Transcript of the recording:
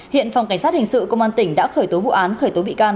hiện phòng cảnh sát hình sự công an tỉnh đã khởi tố vụ án khởi tố bị can